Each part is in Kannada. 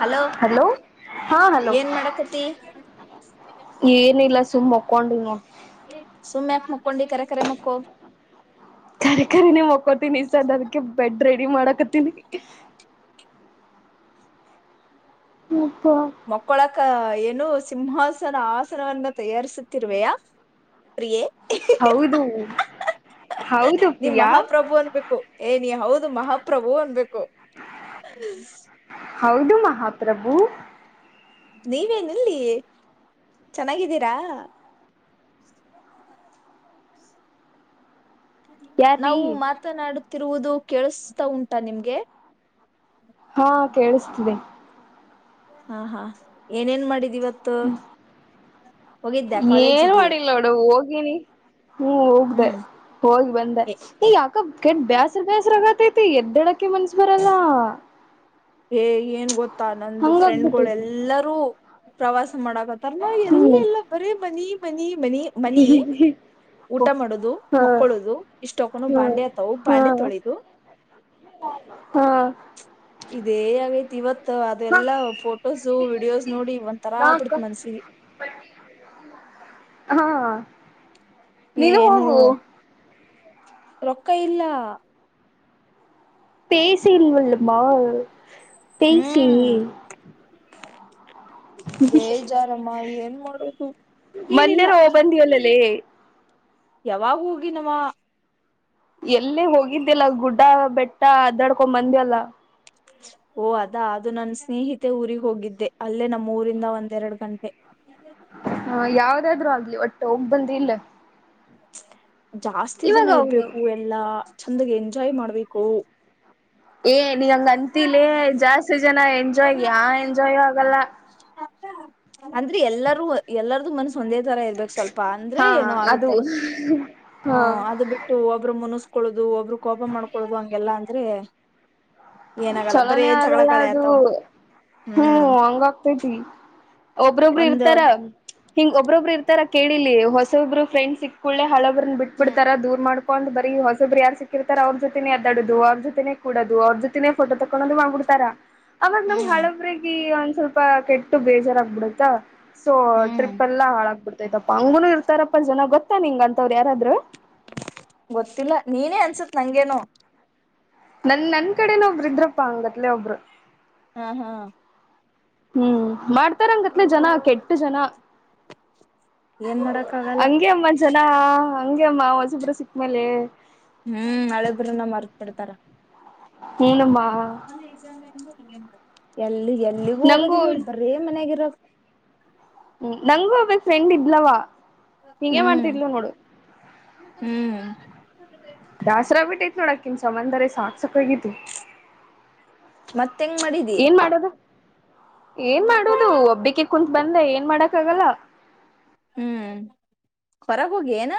ಹಲೋ ಹಾ ಹಲೋ ಏನ್ ಮಾಡಕತಿ ಏನಿಲ್ಲ ಸುಮ್ ಮಕ್ಕೊಂಡಿ ನೋಡ್ ಸುಮ್ಯಾಕ್ ಮಕ್ಕೊಂಡಿ ಕರೆ ಕರೆ ಮಕ್ಕೋ ಕರಿ ಕರಿನೇ ಮಕ್ಕೊತೀನಿ ಸದ ಅದಕ್ಕೆ ಬೆಡ್ ರೆಡಿ ಮಾಡಾಕತ್ತಿನಿ ಹ್ಮ ಮಕ್ಕೊಳಕ್ಕ ಏನು ಸಿಂಹಾಸನ ಆಸನವನ್ನ ತಯಾರಿಸುತ್ತಿರುವೆಯಾ ಪ್ರಿಯೆ ಹೌದು ಹೌದು ನೀ ಪ್ರಿಯಾ ಮಹಾಪ್ರಭು ಅನ್ಬೇಕು ಏ ನೀ ಹೌದು ಅದು ಮಹಾಪ್ರಭು ಅನ್ಬೇಕು ಹೌದು ಮಹಾಪ್ರಭು ನೀವೇನಿಲ್ಲಿ ಚೆನ್ನಾಗಿದ್ದೀರಾ ಯಾರೀ ನಾವು ಮಾತನಾಡು ತಿರುವುದು ಕೇಳಿಸ್ತಾ ಉಂಟಾ ನಿಮಗೆ ಹಾ ಕೇಳಿಸ್ತಿದೆ ಹಾ ಹಾ ಏನೇನ್ ಮಾಡಿದ್ ಇವತ್ತು ಹೋಗಿದ್ದ್ಯಾ ಏನ್ ಕಾಲೇಜಿಗೆ ಮಾಡಿಲ್ಲ ನೋಡು ಹೋಗಿನಿ ಹ್ಮ್ ಹೋಗ್ದ ಹ್ಮ್ ಹೋಗಿ ಬಂದ ಈಗ ಯಕ ಕಟ್ ಬ್ಯಾಸ್ರ ಬ್ಯಾಸ್ರ ಆಗತೈತಿ ಎದ್ದಡಕ ಮನ್ಸ ಬರಲ್ಲ ಏ ಏನ್ ಗೊತ್ತಾ ನಂದು ಫ್ರೆಂಡ್ಗಳ ಹಂಗಾಗ್ಬಿಟ್ಟೈತಿ ಎಲ್ಲರೂ ಪ್ರವಾಸ ಮಾಡಕತ್ತಾರ ನಾವು ಎಲ್ಲ ಹ್ಮ್ ಎಲ್ಲ ಬರೇ ಬನ್ನಿ ಮ ಮನಿ ಹಿ ಮನಿ ಹಿ ಹಿ ಊಟ ಮಾಡೋದು ಹಾ ಮಕ್ಕಳೋದು ಇಷ್ಟ ಹಕ್ಕ ಬಾಂಡೆ ಆತವು ಹಾ ಬಾಂಡೆ ಹಾ ತೊಳದು ಹಾ ಇದೇ ಆಗೈತಿ ಇವತ್ತು ಮ ಹಾ ಅದೆಲ್ಲಾ ಫೋಟೋಸ ವಿಡಿಯೋಸ್ ನೋಡಿ ಒ್ ತರ ನಾಕ ಆಗ್ಬಿಡತ್ ಮನ್ಸಿಗೆ ಹಾ ನೀನು ಏನು ಹೋಗು ರೊಕ್ಕ ಇಲ್ಲ ಪಸಿಲ್ಲಲ್ಲಮ್ಮ ಪೇಯಸ ಹ್ಮ್ ಬೇಜಾನಮ್ಮ ಏನ್ ಮಾಡೋದು ಏನಿಲ್ಲ ಮೊನ್ನೆರ ಹೋಗ್ ಬಂದಿವಲ್ಲಲೇ ಯಾವಾಗ ಹೋಗಿ ನವ ಎಲ್ಲೇ ಹೋಗಿದ್ದಿಲ್ಲ ಗುಡ್ಡ ಬೆಟ್ಟ ಅದ್ದಡ್ಕೊಂಡ್ ಮಂದಿ ಎಲ್ಲ ಓ ಅದಾ ಅದು ನನ್ ಸ್ನೇಹಿತೆ ಊರಿಗೆ ಹೋಗಿದ್ದೆ ಅಲ್ಲೇ ನಮ್ಮ ಊರಿಂದ ಒಂದೆರಡು ಗಂಟೆ ಹ ಯಾವ್ದಾದ್ರು ಆಗ್ಲಿ ಒಟ್ಟು ಹೋಗ ಬಂದಿಲ್ಲ ಹೇ ಜಾಸ್ತಿ ಜನ ಹೋಗು ಇರ್ಬೇಕು ಎಲ್ಲಾ ಚೆಂದಗೆ ಎಂಜಾಯ್ ಮಾಡ್ಬೇಕು ಏ ನೀಂಗ ಅಂತಲೇ ಜಾಸ್ತಿ ಜನ ಎಂಜಾಯ್ ಯಾ ಎಂಜಾಯ್ ಆಗಲ್ಲ ಅಂದ್ರೆ ಎಲ್ಲಾರೂ ಎಲ್ಲಾರ್ದು ಮನ್ಸ ಒಂದೇ ತರ ಇರ್ಬೇಕ್ ಸ್ವಲ್ಪ ಅಂದ್ರೆ ಹಾ ಏನೋ ಅದು ಆಗತ್ತೆ ಹ ಹಾ ಅದು ಬಿಟ್ಟು ಒಬ್ರು ಮುನಿಸಸ್ಕೊಳ್ಳೋದು ಒಬ್ಬ್ರ ಕೋಪ ಮಾಡ್ಕೊಳ್ಳದು ಹಂಗೆಲ್ಲ ಅಂದ್ರೆ ಏನಾಗಲ್ಲ ಬರೇ ಚಲೋನೇ ಆಗಲ್ಲ ಜಗಳಗಳೇ ಅದು ಆತಾವ ಹ್ಮ್ ಹಂಗ ಆಗ್ತತಿ ಒಬ್ರೊಬ್ರು ಒಂದ್ ಇರ್ತಾರ ಹಿಂಗ್ ಒಬ್ಬೊಬ್ಬ ಇರ್ತಾರ ಕೇಳಿಲಿ ಹೊಸೊಬ್ರು ಫ್ರೆಂಡ್ ಸಿಕ್ಕ್ಕೊಳ್ಳಳ್ಳೆ ಹ ನ್ ಬಿಟ್ಬ ಹ್ಮ್ ಬಿಡ್ತಾರ ದೂರ್ ಮಾಡ್ ಒೊಂದ ಬರಿ ಹೊಸಬರು ಯಾರ್ ಸಿಕ್ಕಿರ್ತಾರ ಅವ್ರ ಜೊತೆನೆ ಅದಡದು ಅವ್ರ ಜೊತೆನೆ ಕೂಡದು ಅವ್ರ ಜೊತೆ ನೇಫೋ ತಕ್ಕೊಂಡ ಅಂದುಾಡ್ತಾರಾ ಅವಾಗ ನಮ್ ಹ್ಮ್ ಹಳಬ್ರಗ ಸ್ವಲ್ಪ ಕೆಟ್ಟು ಬೇಜಾರಾಗಬಿಡುತ್ತಾ ಸೊ ಹ್ಮ್ ಟ್ರಿಪ್ ಎಲ್ಲ ಹಾಳಾಗ್ಬಿಡ್ತದೆ ಆಯ್ತಪ್ಪಾ ಅಂಗನನು ಇರ್ತಾರಪ್ಪಾ ಜನ ಗೊತ್ತಾ ನಿಿಂಗ ಅಂತವ್ರು ಯಾರಾದ್ರು ಗೊತ್ತಿಲ್ಲ ನೀನೇ ಅನ್ಸತ್ ನಂಗೇನು ನನ್ ನನ್ ಕಡೆನ ಒಬ್ರು ಇದ್ರಪ್ಪಾ ಹಂಗತ್ಲೆ ಒಬ್ರು ಹಾ ಹಾ ಹ್ಮ್ ಮಾಡ್ತಾರಂಗತ್ನ ಜನ ಕೆಟ್ಟ ಎ ಜನ ಏನ್ ಮಾಡಕ್ ಆಗಲ್ಲ ಹಂಗೆ ಅಮ್ಮ ಜನ ಹಂಗಗೆ ಅಮ್ಮ ಹೊಸಿಬ್ರ ಸಿಕ್ಕ್ಮೇಲೆ ಹ್ಮ್ ಹಳೆಬ್ರನ್ನ ಮರ್ತ್ ಬಿಡ್ತಾರ ಹನುಮ್ಮ ಎಲ್ಲಿ ಎಲ್ಲಿಗೂ ನಂಗೂ ಹೋಗೋದಿಲ್ಲ ನೋಡ ಬರೇ ಮನ್ಯಗರಕ್ ಹ್ಮ ನಂಗಗೂ ಒಬ್ಬಕ್ ಫ್ರೆಂಡ್ ಇದ್ಲವಾ ಹಿಂಗಗೆ ಹ್ಮ್ ಮಾಡ್ತಿದ್ಲವ ನೋಡು ಹ್ಮ್ ದಾಸರಾ ಬಿಟ್ಟತ್ ನೋಡಕಿನ್ ಸಮಂದರ ಸಾಕ್ ಸಾಕಾಗಿತ್ತುು ಮತ್ತ ಹೆಂಗ್ ಮಾಡಿದಿ ಏನ್ ಮಾಡುದು ಒಬ್ಬಿಕ ಕುತ್ ಬಂದ ಏನ್ ಮಾಡಕ್ ಆಗಲ್ಲ ಹ್ಮ್ ಹೊರಗ ಹೋಗಿ ಏನಾ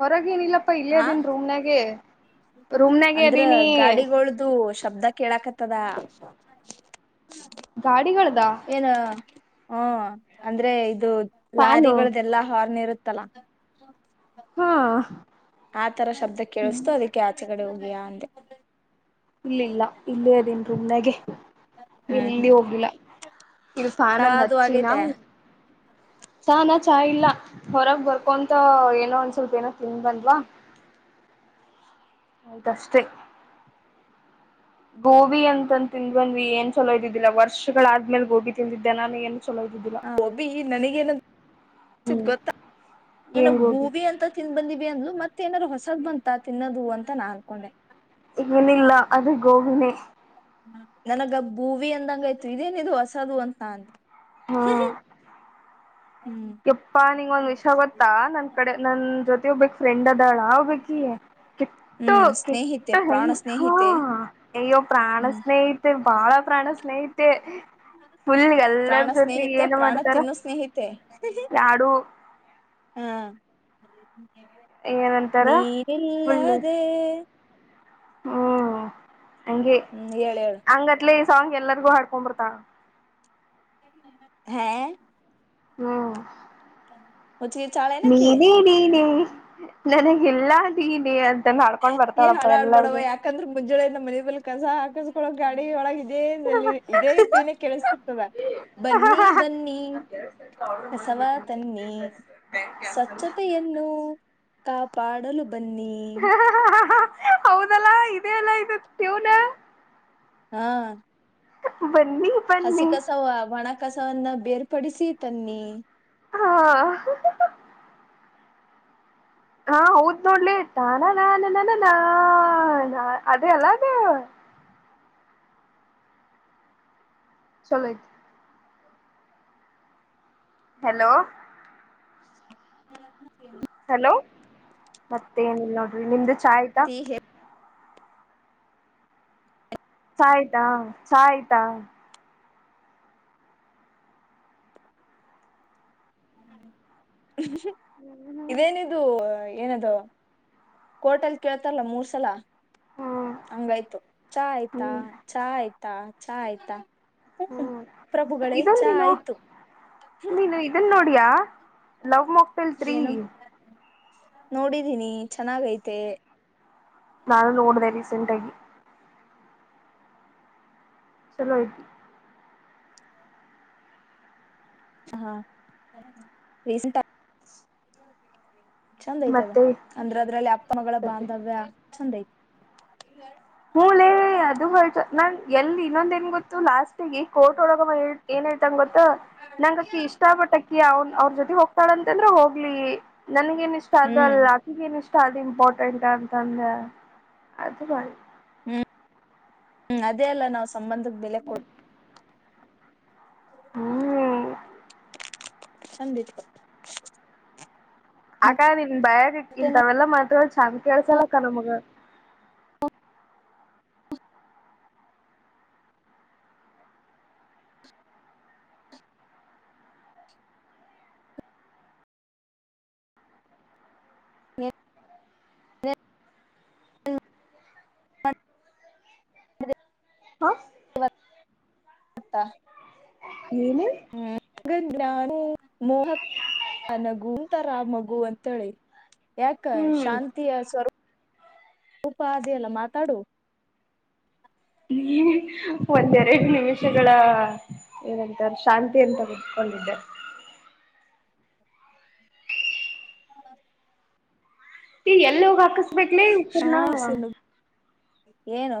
ಹೊರಗೇಏನಿಲ್ಲಪ್ಪಾ ಇಲ್ಲೇದನ್ ರೂಮ್ನಾಗೆ ರೂಮ್ನಾಗೆ ಅಂದ್ರ ಅದೀನಿ ಗಾಡಿಗೊಳ್ದು ಶಬ್ದ ಕೇಳಾಕತ್ತದ ಗಾಡಿಗಳದಾ ಏನ ಹ್ಮ ಅಂದ್ರೆ ಇದು ಫ್ಯಾನು ಲಾರಿಗಳ್ದೆಲ್ಲಾ ಹಾರ್ನ್ ಇರುತ್ತೆ ತಲ ಹ್ಮ್ ಆ ತರ ಶಬ್ದ ಕೇಳಿಸ್ತು ಅದಕ್ಕೆ ಆಚೆ ಕಡೆ ಹೋಗಯ ಅೆ ಇಲ್ಲಿಲ್ಲ ಇಲ್ಲೇದನ್ ರುಮನೆೆ ಹ್ಮ್ ಎಲ್ಲಿ ಹ್ಮ್ ಹೋಗ್ಲಿಲ್ಲ ಇದು ಫ್ಯಾನ್ಲ್ಲಿ ಸಾದು ಹಚ್ಚಿನ ಆಗೈತೆ ಚ ನಾ ಚಾ ಇಲ್ಲ ಹೊರಗ್ ಬರ್ಕೊಂತ ಏನೋ ಒಂದ್ ಸ್ವಲ್ಪ ಏನೋ ತಿನ್ ಬಂದ್ವಾ ಆಯ್ತ ಅಷ್ಟೇ ಗೋಬಿ ಅಂತನ್ ತಿಿಂದ್ ಬಂದ್ ಏನ್ ಚಲೋ ಇದ್ದಿದ್ದಿಲ್ಲಾ ವರ್ಷಗಳಾದ್ಮೇಲೆ ಗೋಬಿ ತಿಂದಿದ್ದೆ ನಾನ ಏನ್ ಚಲೋ ಇದ್ದಿದ್ದಿಲ್ಲ ಹ ಒಬ್ಬಿ ನನಗೇನ ಚತ್ ಹ್ಮ್ ಗೊತ್ತಾ ಏನ್ ನನಗ್ ಗೋಬಿ ಭೂವಿ ಅಂತ ತಿನ್ ಬಂದಿದ್ದ ಅ್ಲು ಮತ್ತೆ ನಾದಾರರು ಹೊಸದ್ ಬಂತ ತಿನ್ನೋದು ಅಂತ ನಾ ಅನ್ಕೊಂಡೆ ಇಂಗನಿಲ್ಲ ಅದು ಗೋವಿನೆ ನನಗ ಭೂವಿ ಅಂದಂಗ ಆಯ್ತು ಇದೇನಿದದು ಹೊಸದು ಅಂತ ನನ್ ಹ್ಮ್ ಹ್ಮ್ ಕೆಪ್ಪಾ ನಿಂಗ ಒಂದ್ ವಿಷ ಗೊತ್ತಾ ನನ್ ಕಡೆ ನನ್ ಜೊತೆ ಬ್ಫ್ರೆಂಡ ಅ ಾಳ ಆ್ಬೇಕಿ ಕೆಟ್ಟೋ ಹ್ಮ್ ಕೆಟ್ಟ ಸ್ನೇಹಿತೆ ಪ್ರಾಣ ಸ್ನೇಹಿತೆ ಅಯ್ಯೋ ಪ್ರಾಣ ಹ್ಮ್ ಸ್ನೇಹಿಿತ ಬಾಳ ಪ್ರಾಣ ಸ್ನೇಹಿಿತ ಮತ್ತು ಫುಲ್ಗೆಲ್ಲ ಪ್ರಾಣ ಸ್ನೇಹಿತೆ ಪ್ರಾಣ ತಿನ್ನು ಸ್ನೇಹಿತೆ ಯಾಡು ಹಾ ಅದ ಏನಂತಾರ ಫುಲ್ ನೀರಿಲ್ಲದೆ ಹ್ಮ್ ಅಗೆ ಹ್ಮ್ ಹೇಳ ಹೇಳ ಅಂಗಟ್ಲೆ ಸಾಂಗ್ ಎಲ್ಲರಿಗೂ ಹಾಡ್ಕೊಂಡ್ಂಬರ್ತಾನ ಹಾ ಹ್ಮ್ ಹುಚ್ಚಿಗೆ ಚಾಳ ಏನಕಿ ನೀನೇ ನೀನೆ ನನಗೆಲ್ಲ ದೀನಿ ಅದು ಏ ಹಾಡಾಡ್ಬಡವ ಯಾಕಂದ್ರೆ ಮುಂಜಳೆನ ಮಲ್ ಕಸ ಹಕಳ ಗಾಡಿ ಒಳಗ ಇದೇ ಇದೇ ಹಟ್ಟಿವಿನ ಕೇಳಸತಿರ್ತದ ಬನ್ನಿ ಬನ್ನಿ ಕಸವ ತನ್ನಿ ಸ್ವಚ್ಛತೆಯನ್ನು ಕಾಪಾಡಲು ಬನ್ನಿ ಹೌದಲ್ಲಾ ಇದದೆ ಅಲ್ಲ ಇದು ಟ್ಯೂನ್ ಹ್ಮ ಹ್ಮ ಬನ್ನಿ ಬನ್ನಿ ಸವನ್ನ ಬೇರ್ಪಡಿಸಿ ತನ್ನಿ ಹಾ ಹಾ ಹೌದ್ ನೋಡ್ಲಿತಾನ ನಾನ ನನ ನಾ ಅದೇ ಅಲ್ಲ ಅದೇ ಚಲ ಹಲೋ ರೇ ಹಲೋ ಮತ್ತೆ ಏನಿಲ್ಲ ನೋಡ್ರಿ ನಿಮ್ದ ಸಾಯಿತ ತಿ ಚಯ್ತಾ ಚಾಯಯ್ತಾ ಹ್ಮ್ ಇದೇನಿದು ಏನದು ಕೋಟಲ್ ಕೇಳ್ತಾರಲ್ಲ ಮೂರ್ ಸಲ ಹ್ಮ್ ಹಂಗಾಯ್ತು ಚಾ ಆಯ್ತಾ ಹ್ಮ್ ಹ್ಮ್ ಚಾ ಆಯ್ತಾ ಚಾ ಆಯ್ತಾ ಹ್ಮ್ ಪ್ರಭುಗಳೇ ಇದನ್ ಚಾ ನೀನು ಆಯ್ತು ನೀನು ಇದನ್ ನೋಡಿಯ ಲವ್ ಮಕ್ಟೆಲ್ ತ್ರೀ ನೋಡಿದ್ದೀನಿ ಚೆನ್ನಾಗೈತೆ ನಾನು ನೋಡಿದೆೇ ರೀ ಸೆಂಟಗಿ ಚಲೋ ಆಯ್ತು ಹಾ ರಸಂ ಚಂದ್ ಐತದ ಮತ್ತೆ ಅಂದ್ರೆ ಅದ್ರಲ್ಲಿ ಅಪ್ಪ ಮಗಳ ಬಾಂಧವ್ಯ ಚಂದ ಐತ ಹ ಮೂಲ ಅದು ಹೊ ನ ಎಲ್ಲಿ ಇನ್ನೊಂದ ನ್ ಗೊತ್ತು ಲಾಸ್ಟಗೆ ಕೋರ್ಟ್ ಒಳಗ ಏನ್ ಹೇಳ್ತಂಗ ಗೊತ್ತ ನಂಗಕ್ಕ ಇಷ್ಟ ಪಟ್ಟ ಅವನ್ ಅವ್ರ ಜೊತೆಗೆ ಹೋಗ್ತಾಳಂತಂದ್ರ ಹೋಗ್ಲಿ ನನಗ ಏನ ಇಷ್ಟ ಅದು ಹ್ಮ್ ಅಲ್ಲ ಆಕಗ ಏನಿಷ್ಟ ಅದು ಇಂಪಾರ್ಟೆಂಟ್ ಅಂತಂದೆ ಅದು ಮ ಹ್ಮ್ ಹ್ಮ್ ಅದೇ ಅಲ್ಲ ನಾವ್ ಸಂಬಂಧದ ಬೆಲೆ ಕೊಟ್ಟು ಹ್ಮ್ ಸಂದಿಿತ ಆಕ ಬಯಾಗ ಇಂತ ತವೆೆಲ್ಲಾ ಮಾತ್ರ ಚಂದ ಕೇಳ್ಸಲಕ್ಕ ನಮಗ ಹಾ ತ್ತ ಏನು ಹ್ಮ ಜ್ಾನು ಮೋಹ ನಗುಂತರ ಮಗು ಅಂತೇಳಿ ಯಾಕ ಹ್ಮ್ ಶಾಂತಿಯ ಸ್ವರೂಪೂಪ ಅಿ ಅಲ್ಲ ಮಾತಾಡು ಒಂದೆರಡು ನಿಮಿಷಗಳ ಏನಂತ ಶಾಂತಿಯನ್ನು ತೆಗೆದುಕೊಂಡಿದ್ದೆ ಹೌ ಈ ಎಲ್ಲ ವಾಕಸ್ಬೇಕಟ್ಲೆ ಉ ನ ಹಸನು ಏನು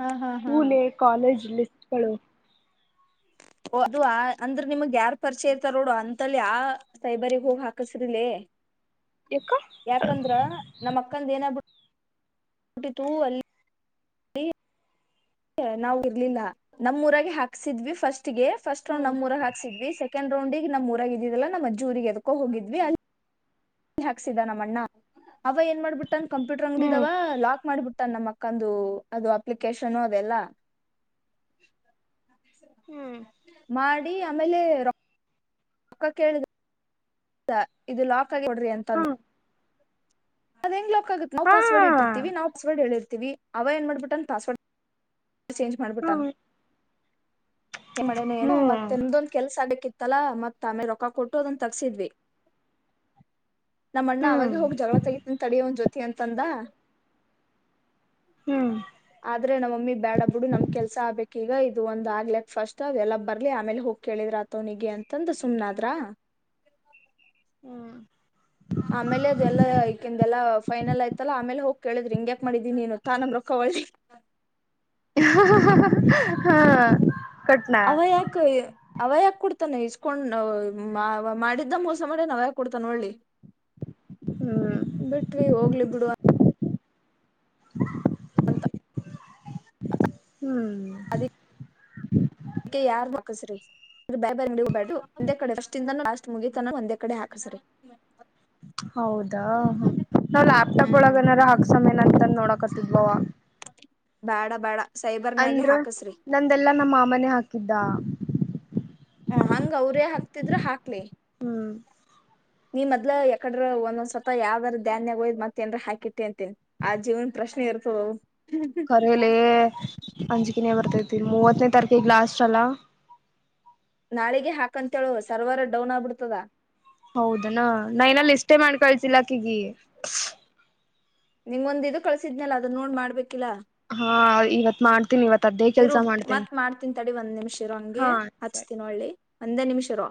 ಹಾ ಹಾ ಹಾ ಸ್ೂಲೆ ಕಾಲೇಜ್ಲ್ಲಿ ಹ ಅದು ಅಂದ್ರ ನಿಮಗ್ ಯಾರ್ ಪರಿಚಯ ಇರ್ತಾರೋಡು ಅಂತಲ್ಲಿ ಆ ಸೈಬರಿಗ್ ಹೋಗಿ ಹಾಕಸ್ರಿಲ ಯಾಕ ಯಾಕಂದ್ರ ನಮ್ಮ್ ಅಕ್ಕಂದ ಏನಬ ಟಿತು ಅಲ್ಲಿ ನಾವು ಇರ್ಲಿಲ್ಲ ನಮ್ಮ ಊರಾಗ ಹಾಕ್ಸಿದ್ವಿ ಫಸ್ಟ್ ಫಸ್ಟ್ ರೌಂಡ ಹ್ಮ್ ನಮ್ೂರ ಹಾಕ್ಿದ್ವಿ ಸೆಕಂಡ್ ರೌಂಡ್ ಈ ನಮ್ಮ್ ಊರಾಗ ಇದಿದಲ್ಲಾ ನಮ್ಮ ಅಜ್ೂರಿಗೆ ಎದಕೋ ಹೋಗಿದ್ವಿ ಅಲ್ಲಿ ಹಾಕ್ಸಿದ ನಮ್ಮಣ್ಣ ಅವ ಏನ್ ಮಾಡ್ಬಿಟ್ಟ ಅನ್ ಕಂಪ್ಯೂಟರ್ ಹ್ಮ್ ಅಂಗಡಿದವ ಲಾಕ್ ಮಾಡಿಬಟ್ಟ ನ್ನ ಮಕ್ಕಂದು ಅದು ಅಪ್ಲಿಕೇಶನ್ ಅದೆಲ್ಲಾ ಹ್ಮ್ ಮಾಡಿ ಆಮೇಲೆ ರ ಪಕ್ಕ ಕೇಳಿದೆ ಇದು ಲಾಕ್ ಆಗಿ ಕೊಡ್ರಿ ಎಂತಂದ ಹ್ಮ್ ಅದ ಹೆಂಗ್ ಲಾಕ್ ಆಗುತ್ತೆ ನಾವು ಹಾ ಪಾಸ್ವರ್ಡ್ ಇಟ್ಟಿರ್ತಿೀವಿ ನಾವು ಪಸ್ವಡ್ ಹೇಳಿರ್ತತಿವಿ ಅವ ಏನ್ ಮಾಡ್ಬಿಟ್ಟ ಅನ್ ಪಾಸ್ವರ್ಡ್ ಚೇಂಜ್ ಮಾಡ್ಬಿಟ್ಟಾನ ಹ್ಮ್ ಮಡಏ ಹ್ಮ್ ಮತ್ತೆ್ದೊಂದ ಕೆಲ್ಸ ಿತ್ತಲ್ಲಾ ಮತ್ತ ಆಮೆ ರೊಕ್ಕ ಕೊಟ್ಟು ಅದನ್ನ ತಗಸಿದ್ವಿ ನಮ್ಮ ಅಣ್ಣ ಹ್ಮ್ ಅವಾಗ ಹೋಗ ಜಗಳ ತಗ ತಂತ ತಂದ ಹ್ಮ್ ಆದ್ರೆ ನಮ್ಮಮ್ಮಿ ಬೇಡ ಬಿಡು ನಮ್ ಕೆಲ್ಸ ಆಗ್ಬೇಕಕ್ ಈಗ ಇದು ಒಂದ್ ಆಗ್ಲಕ್ ಫಸ್ಟ್ ಅ ಎಲ್ಲ ಬರ್ಲಿ ಆಮೇಲೆ ಹೋಗ ಕೇಳಿದ್ರ ಆತವನಿಗೆ ಅಂತಂದು ಸುಮ್ನಾದ್ರ ಹ್ಮ್ ಆಮೇಲೆ ಅದೆಲ್ಲಾ ಈಕಂದ ಎಲ್ಲಾ ಫೈನಲ್ ಆಯ್ತಲ್ಲ ಆಮೇಲೆ ಹೋಗ್ ಕೇಳಿದ್ರಿ ಹಿಂಗ್ಯಾಕ್ ಮಾಡಿದೀಿ ನೀನು ತಾನ ರೊಕ್ಕವಳ್ಳಿ ಹಾ್ ಅವ ಯಾಕ್ಕ ಅವ ಯಕ ಕೊಡ್ತಾನೆ ಇಸ್ಕೊಂಡ್ ಮಾಡಿದ್ದ ಮೋಸ ಮಾಡಿ ಅವ ಯಕೆ ಕೊಡ್ತಾನ ಒಳ್ಳಿ ಹ್ಮ್ ಬಿಟ್ವಿ ಹೋಗ್ಲಿ ಬಿಡುವ ಹ ಅಂತ ಹ್ಮ್ ಅದ ಅದಕ್ಕೆ ಯಾರ್ ಮಾಕಸ್ರಿ ಬ ಬ ನಬ್ಯಾು ಒಂದೇ ಕಡೆಸ್ ಲಾಸ್ಟ್ ಮುಗಿತ ಒಂದೇ ಕಡೆ ಹಾಕಸರಿ ಹೌದಾ ನಾವ್ ಲ್ಯಾಪ್ಟಾಪ್ ಹ್ಮ್ ಒಳಗ ಏನಾರ ಹಾಕ್ಸಯ ನಂತಂದ ನೋಡಕತ್ಬೋವ ಬೇಡ ಬೇಡ ಅಂದ್ರ ನಂದೆಲ್ಲಾ ನಮ್ಮ ಮಾಮನೆ ಹಾಕಿದ್ದ ಹ ಹಂಗ ಅವ್ರೇ ಹಾಕ್ತಿದ್ರ ಹಾಕ್ಲಿ ಹ್ಮ್ ನೀ ಮದ್ ಯಕಡ್ರರು ಒಂದೊಂದ್ಸವತ ಯಾವ್ದಾದಾರ ಧಾನ್ಯಾಗ ಹೋಯ್ ಮತ್ತೇಏನ್ರ ಹಾಕಿಟ್ಟಿ ಅಂತೇಿ ಆ ಜೀವನ್ ಪ್ರಶ್ನೆ ಇರ್ತದ ಕರಲ ಅಂಜಕಿನೇ ಬರ್ತದೆ ಮೂವತ್ತನೇ ತಾರಕ ಲಾಸ್ಟ್ ಅಲ್ಲ ನಾಳಿಗೆ ಹಾಕಂತೇಳು ಸರ್ವರ್ ಡೌನ್ ಆಗ್ಬಿಡ್ತದ ಹೌದನಾ ನಾನಲ್ಲಿ ಇಷ್ಟೇ ಮಾಡ್ ಕಳ್ ಇ ಕಗ ನಿಮ್ೊಂದ್ ಇದು ಕಳ್ಸಿದ್ನಲ್ಲ ಅದನ್ನ ನೋಡ್ ಮಾಡ್ಬೇಕು ಹಾ ಇವತ್ ಮಾಡ್ತೀನಿ ಇವತ್ ಅದೇ ಇರು ಕೆಲ್ಸ ಮಾಡ್ತೀನಿ ಮತ್ ಮಾಡ್ತನ್ ತಡಿ ಒಂದ್ ನಿಮಿಷ ಇರೋ ಹಂಗೆ ಹಾ ಸರಿ ಹಚ್ತೀನ ಒಳ್ಳಿ ಒಂದೇ ನಿಮಿಷ ರಾ